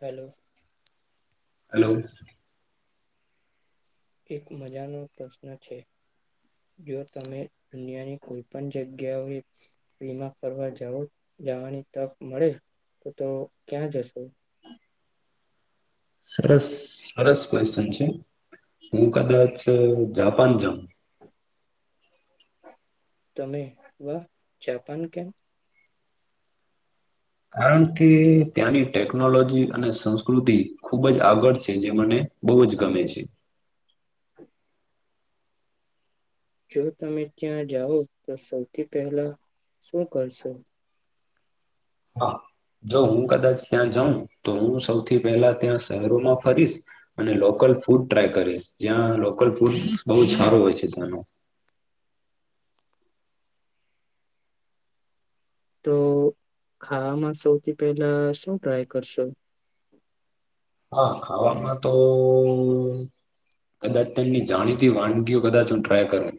hello hello એક મજાનો પ્રશ્ન છે જો તમે દુનિયાની કોઈ પણ જગ્યાઓએ વીમાં ફરવા જાઓ જવાની તક મળે તો ક્યાં જશો સરસ સરસ ક્વેશ્ચન છે હું કદાચ જાપાન જાઉં તમે વાહ જાપાન કેમ કારણ કે ત્યાંની ટેકનોલોજી અને સંસ્કૃતિ ખૂબ જ આગળ છે જે મને બહુ જ ગમે છે જો તમે ત્યાં જાઓ તો સૌથી પહેલા શું કરશો હા જો હું કદાચ ત્યાં જાઉં તો હું સૌથી પહેલા ત્યાં શહેરોમાં ફરીશ અને લોકલ ફૂડ ટ્રાય કરીશ જ્યાં લોકલ ફૂડ બહુ સારો હોય છે ત્યાનો તો ખાવામાં સૌથી પહેલા શું ટ્રાય કરશો હા ખાવામાં તો કદાચ તેમની જાણીતી વાનગીઓ કદાચ હું ટ્રાય કરુ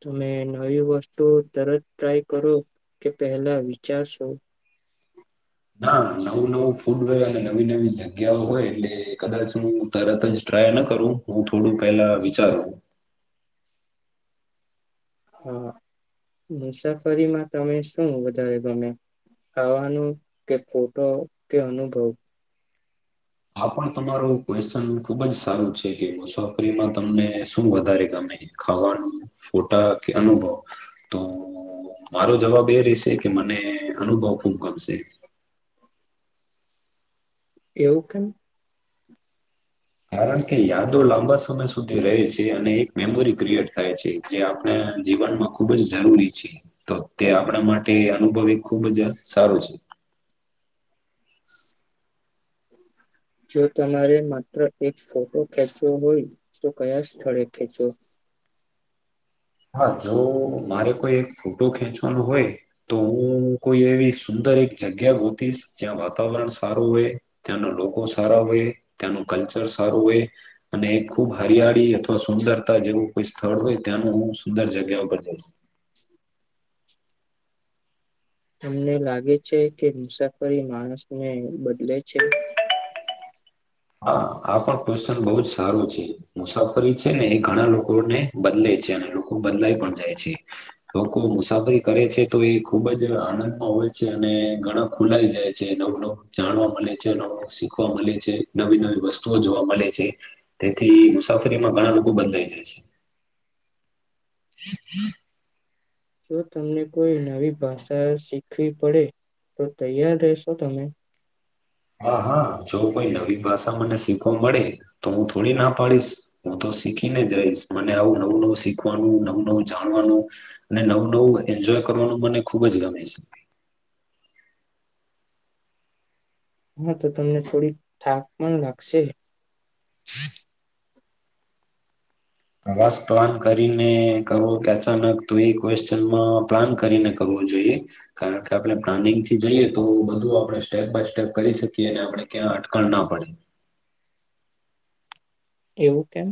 તમે નવી વસ્તુ તરત ટ્રાય કરો કે પહેલા વિચારશો ના નવું નવું ફૂડ હોય અને નવી નવી જગ્યાઓ હોય એટલે કદાચ હું તરત જ ટ્રાય ન કરું હું થોડું પેલા વિચારું હા મુસાફરીમાં તમે શું વધારે ગમે ખાવાનો કે ફોટો કે અનુભવ આ પણ તમારું ક્વેશ્ચન ખુબ જ સારું છે કે મુસાફરીમાં તમને શું વધારે ગમે ખાવાનું ફોટા કે અનુભવ તો મારો જવાબ એ રહેશે કે મને અનુભવ ખુમ ગમશે એવું કેમ કારણ કે યાદો લાંબા સમય સુધી રહે છે અને એક મેમોરી ક્રિએટ થાય છે જે આપણા જીવનમાં ખૂબ જ જરૂરી છે તો તે આપણા માટે અનુભવી ખૂબ જ સારું છે જો તમારે માત્ર એક ફોટો ખેંચવો હોય તો કયા સ્થળે ખેંચો હા જો મારે કોઈ એક ફોટો ખેંચવાનો હોય તો હું કોઈ એવી સુંદર એક જગ્યા ગોતીશ જ્યાં વાતાવરણ સારું હોય ત્યાંન લોકો સારા હોય ત્યાંનું કલ્ચર સારું હોય અને ખુબ હરિયાળી અથવા સુંદરતા જેવું કોઈ સ્થળ હોય ત્યાંનું હું સુંદર જગ્યા ઉપર જઈશ તમને લાગે છે કે મુસાફરી માણસને બદલે છે હા આ પણ ક્વેશચન બહુ જ સારું છે મુછાફરી છે ને એ ઘણા લોકોને બદલે છે અને લોકો બદલાઈ પણ જાય છે લોકો મુસાફરી કરે છે તો એ ખુબ જ આનંદમાં હોય છે અને ઘણા ખુલાય જાય છે નવું નવું જાણવા મળે છે નવું નવું શીખવા મલે છે નવી નવી વસ્તુઓ જોવા મલે છે તેથી મુસાફરીમાં ઘણા લોકો બદલાઈ જાય છે હમ હમ જો તમને કોઈ નવી ભાષા શીખવી પડે તો તૈયાર રહેશો તમે હા હા જો કોઈ નવી ભાષા મને શીખવા મળે તો હું થોડી ના પાડીશ હું તો શીખીને જ રહીશ મને આવું નવું નવું શીખવાનું નવું નવું જાણવાનું અને નવું નવું એન્જોય કરવાનું મને ખુબ જ ગમે છે હા તો તમને થોડી થાક પણ લાગશે પ્રવાસ પ્લાન કરીને કરવો કે અચાનક તો એ ક્વેશ્ચનમાં પ્લાન કરીને કરવું જોઈએ કારણ કે આપણે પ્લાનિંગ થી જઈએ તો બધું આપડે સ્ટેપ બાય સ્ટેપ કરી શકીએ અને આપણે ક્યાં અટકણ ના પડે એવું કેમ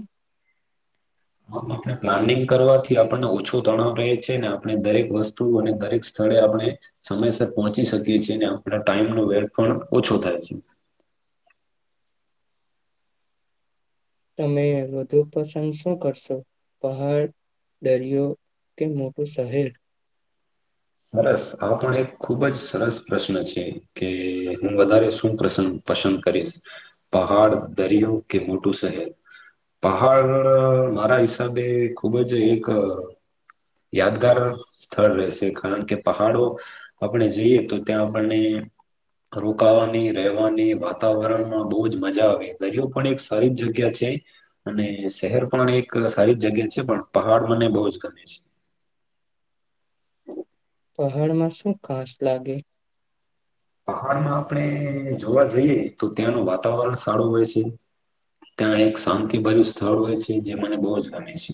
હ આપણે પ્લાનિંગ કરવાથી આપણને ઓછો તણાવ રહે છે ને આપણે દરેક વસ્તુ અને દરેક સ્થળે આપણે સમયસર પહોંચી શકીએ છ છેીએ ને આપણા ટાઈમનોો વેટ પણ ઓછો થાય છે તમે વધુ પસંદ શું કરશો પહાડ દરિયો કે મોટું શહેર સરસ આ પણ એક ખૂબ જ સરસ પ્રશ્ન છે કે હું વધારે શું પ્રસ પસંદ કરીશ પહાડ દરિયો કે મોટું શહેર પહાડ મારા હિસાબે ખુબ જ એક યાદગાર સ્થળ રહેશે કારણ કે પહાડો આપણે જઈએ તો ત્યાં આપણને રોકાવાની રહેવાની વાતાવરણમાં બહુ જ મજા આવે દરિયો પણ એક સારી જ જગ્યા છે અને શહેર પણ એક સારી જ જગ્યા છે પણ પહાડ મને બહુ જ ગમે છે પહાડમાં શું ઘાસ લાગે પહાડમાં આપણે જોવા જઈએ તો ત્યાંનું વાતાવરણ સારું હોય છે ત્યાં એક શાંતિભર્યું સ્થળ હોય છે જે મને બહુ જ ગમે છે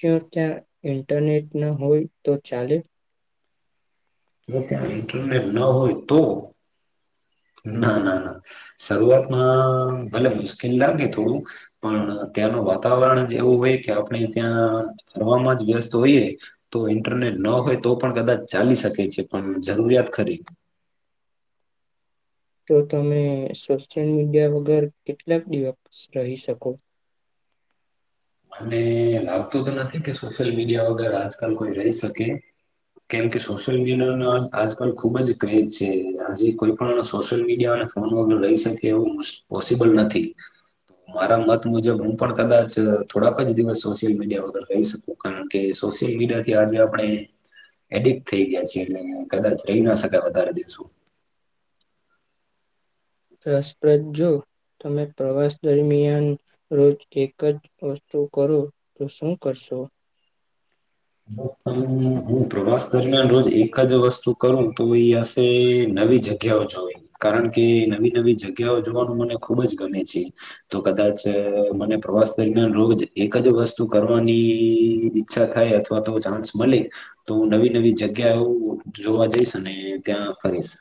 જો્યા ત્યાં ઇન્ટરનેટ ના હોય તો ચાલે જો ત્યાં ઇન્ટરનેટ ના હોય તો ના ના ના શરૂઆતમાં ભલે મુશ્કેલ લાગે થોડું પણ ત્યાંનું વાતાવરણ જ એવું હોય કે આપણે ત્યાં ફરવામાં જ વ્યસ્ત હોઈએ તો ઈન્ટરનેટ ન હોય તો પણ કદાચ ચાલી શકે છે પણ જરૂરિયાત ખરી તો તમે સોશિયલ મીડિયા વગર કેટલાક દિવસ રહી શકો મને લાગતું તો નથી કે સોશિયલ મીડિયા વગર આજકાલ કોઈ રહી શકે કેમ કે સોશિયલ મીડિયા ના આજકાલ ખુબ જ ક્રેજ છે હજી કોઈ પણ સોશિયલ મીડિયા અને ફોન વગર રહી શકે એવું પોસિબલ નથી મારા મત મુજબ હું પણ કદાચ થોડાક જ દિવસ સોશિયલ મીડિયા વગર રહી શકું કારણ કે સોશિયલ મીડિયા થી આજે આપણે એડિક્ટ થઈ ગયા છીએ એ કદાચ રહી ના શકાય વધારે દિવસો રસપ્રદ જો તમે પ્રવાસ દરમિયાન રોજ એક જ વસ્તુ કરો તો શું કરશો હું પ્રવાસ દરમિયાન રોજ એક જ વસ્તુ કરું તો એયાશે નવી જગ્યાઓ જોઈ કારણ કે નવી નવી જગ્યાઓ જોવાનું મને ખુબ જ ગમે છે તો કદાચ મને પ્રવાસ દરમિયાન રોજ એક જ વસ્તુ કરવાની ઈચ્છા થાય અથવા તો ચાન્સ મળે તો હ નવી નવી જગ્યા જોવા જઈશ અને ત્યાં ફરીશ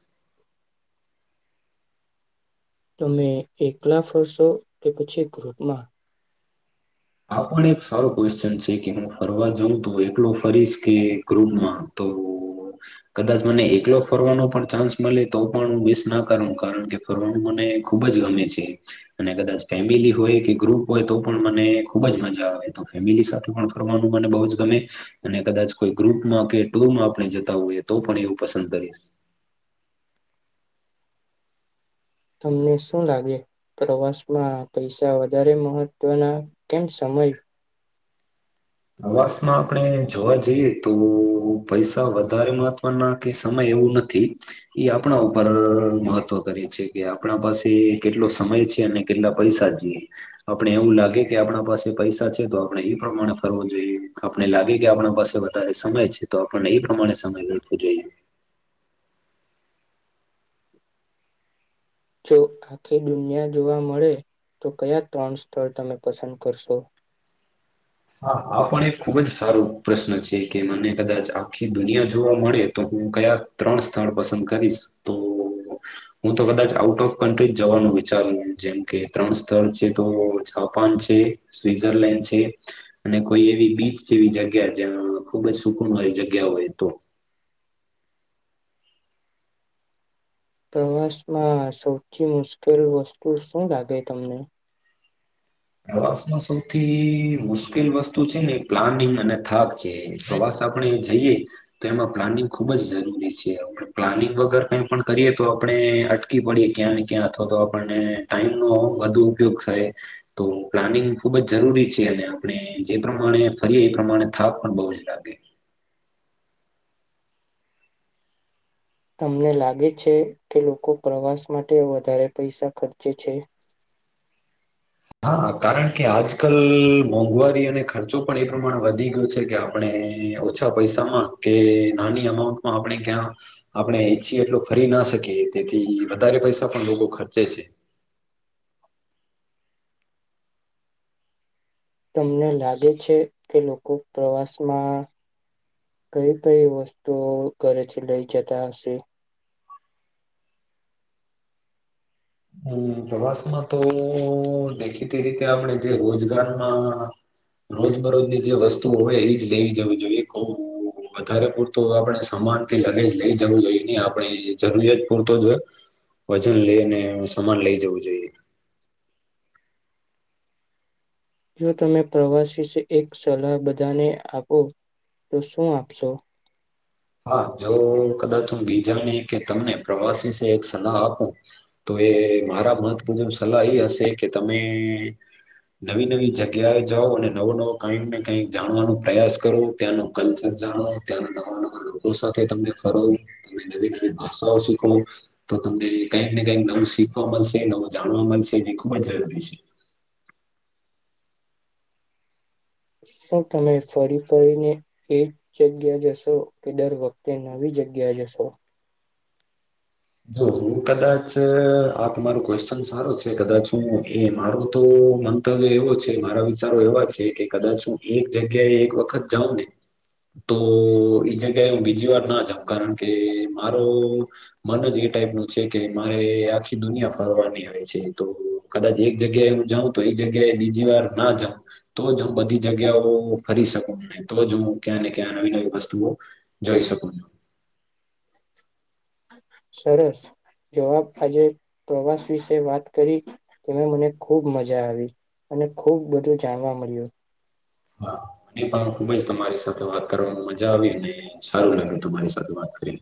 તમે એકલા ફરશો કે પછી ગ્રુપમાં આ પણ એક સારો ક્વેશ્ચન છે કે હું ફરવા જાઉં તો એકલો ફરીશ કે ગ્રુપમાં તો કદાચ મને એકલો ફરવાનો પણ ચાન્સ મળે તો પણ હું વિસ ના કરું કારણ કે ફરવાનું મને ખુબ જ ગમે છે અને કદાચ ફેમિલી હોય કે ગ્રુપ હોય તો પણ મને ખુબ જ મજા આવે તો ફેમિલી સાથે પણ ફરનું મને બહુ જ ગમે અને કદાચ કોઈ ગ્રુપમાં કે ટુરમાં આપણે જતા હોઈએ તો પણ એવું પસંદ કરીશ તમને શું લાગે પ્રવાસમાં પૈસા વધારે મહત્વના કેમ સમય ઉપવાસ માં આપણે જોવા જઈએ તો પૈસા વધારે મહત્વના કે સમય એવું નથી એ આપણા ઉપર મહત્વ કરે છે કે આપણા પાસે કેટલો સમય છે અને કેટલા પૈસા છેીએ આપણે એવું લાગે કે આપણા પાસે પૈસા છે તો આપણે એ પ્રમાણે ફવું જોઈએ આપણે લાગે કે આપણા પાસે વધારે સમય છે તો આપણને એ પ્રમાણે સમય લડવો જોઈએ જો આખી દુનિયા જોવા મળે તો કયા ત્રણ સ્થળ તમે પસંદ કરશો હા આ પણ એક ખુબ જ સારો પ્રશ્ન છે કે મને કદાચ આખી દુનિયા જોવા મળે તો હું કયા ત્રણ સ્થળ પસંદ કરીશ તો હું તો કદાચ આઉટ ઓફ કન્ટ્રી જવાનું વિચારું જેમ કે ત્રણ સ્થળ છે તો જાપાન છે સ્વઝરલેન્ડ છે અને કોઈ એવી બીચ જેવી જગ્યા જે ખુબ જ સુકનવારી જગ્યા હોય તો પ્રવાસમાં સૌથી મુશ્કેલ વસ્તુ શું લાગે તમને પ્રવાસમાં સૌથી મુશ્કેલ વસ્તુ છે ને પ્લાનિંગ અને થાક છે પ્રવાસ આપણે જઈએ તો એમાં પ્લાનિંગ ખુબ જ જરૂરી છે આપણે પ્લાનિંગ વગર કઈ પણ કરીએ તો આપણે અટકી પડીએ ક્યાં ને ક્યાં અથવા તો આપણને ટાઈમનોો વધુ ઉપયોગ થાય તો પ્લાનિંગ ખુબ જ જરૂરી છે અને આપણે જે પ્રમાણે ફરીએ એ પ્રમાણે થાક પણ બહુ જ લાગે તમને લાગે છે કે લોકો પ્રવાસ માટે વધારે પૈસા ખર્ચે છે હા કારણ કે આજ કલ મોંઘવારી અને ખર્ચો પણ એ પ્રમાણે વધી ગયો છે કે આપણે ઓછા પૈસામાં કે નાની અમાઉન્ટમાં આપણે ક્યાં આપણે ઈચ્છીએ એટલોું ફરી ના શકીએ તેથી વધારે પૈસા પણ લોકો ખર્ચે છે તમને લાગે છે કે લોકો પ્રવાસમાં કઈ કઈ વસ્તુઓ ઘરેથી લઈ જતા હશે હમ પ્રવાસમાં તો દેખીતી રીતે આપણે જે રોજગારમાં રોજ મરોજની જે વસ્તુ હોય એજ લઈ જવી જોઈએ ક વધારે પૂરતો આપણે સમાન કે લગેજ લઈ જવું જોઈએ હી આપણે જરૂરિયાત પૂરતો જ વજન લઈને સમાન લઈ જવું જોઈએ જો તમે પ્રવાસી એક સલાહ બધાને આપો તો શું આપશો હા જો કદાચ હું બીજાની કે તમને પ્રવાસી એક સલાહ આપું તો એ મારા મહત્ મુજબ સલાહ એ હશે કે તમે નવી નવી જગ્યાએ જાઓ અને નવો નવો કઈકને કઈક જાણવાનો પ્રયાસ કરો ત્યાંનું કલ્ચર જાણો ત્યાંનો નવ ન લોકો સાથે તમને ફરો તમે નવી નવી ભાષાઓ શીખો તો તમને કઈક ને કઈક નવું શીખવા મળશે નવું જાણવા મળશે એ ખુબ જ જરૂરી છે સર તમે ફરી ફરીને એક જગ્યા જશો કે દર વખતે નવી જગ્યા જશો જો હું કદાચ આ તમારોું ક્વેશ્ચન સારું છે કદાચ હું એ મારો તો મંતવ્ય એવો છે મારા વિચારો એવા છે કે કદાચ હું એક જગ્યાએ એક વખત જાઉં ને તો એઈ જગ્યાએ હું બીજી વાર ના જાઉં કારણ કે મારો મન જ એ ટાઈપનુંું છે કે મારે આખી દુનિયા ફરવાની આવે છે તો કદાચ એક જગ્યાએ હું જાઉં તો એક જગ્યાએ બીજી વાર ના જાઉં તો જ હું બધી જગ્યાઓ ફરી શકું ને તો જ હું ક્યાં ને ક્યાં નવી નવી વસ્તુઓ જોઈ શકું છ સરસ જવાબ આજે પ્રવાસ વિશે વાત કરી તમે મને ખૂબ મજા આવી અને ખુબ બધું જાણવા મળ્યું હા મને પણ ખુબ જ તમારી સાથે વાત કરવાવામાં મજા આવીને સારું લાગ્યું તમારી સાથે વાત કરી